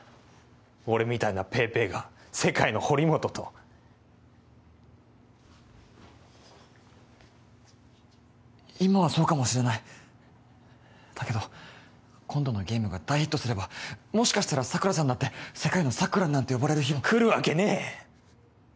俺みたいなペーペーが世界の堀本と今はそうかもしれないだけど今度のゲームが大ヒットすればもしかしたら桜さんだって世界の桜なんて呼ばれる日もくるわけねえ！